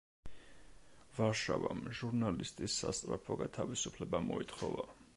ვარშავამ ჟურნალისტის სასწრაფო გათავისუფლება მოითხოვა.